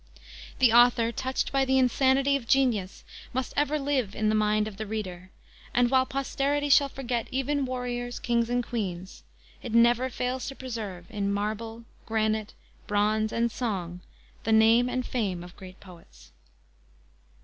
The author, touched by the insanity of genius, must ever live in the mind of the reader, and while posterity shall forget even warriors, kings and queens, it never fails to preserve in marble, granite, bronze and song the name and fame of great poets.